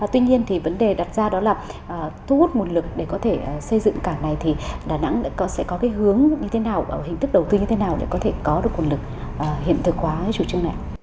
tuy nhiên thì vấn đề đặt ra đó là thu hút nguồn lực để có thể xây dựng cảng này thì đà nẵng sẽ có cái hướng như thế nào hình thức đầu tư như thế nào để có thể có được nguồn lực hiện thực hóa chủ trương này